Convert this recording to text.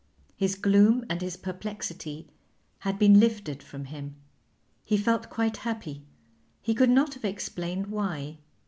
His gloom and his perplexity had been lifted from him; he felt quite happy; he could not have explained why.